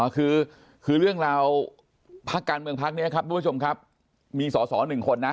อ๋อคือเรื่องราวพักการเมืองพักนี้ครับมีส่อหนึ่งคนนะ